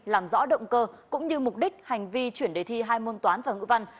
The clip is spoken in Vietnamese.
làm rõ động cơ cũng như mục đích hành vi chuyển đề thi hai môn toán và ngữ văn